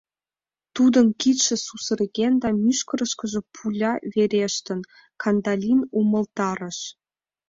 — Тудын кидше сусырген да мӱшкырышкыжӧ пуля верештын, — Кандалин умылтарыш.